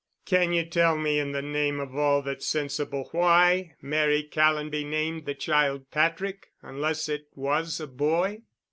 Can you tell me in the name of all that's sensible why Mary Callonby named the child Patrick unless it was a boy?"